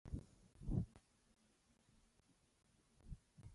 رسوب د افغانستان د طبعي سیسټم توازن ساتي.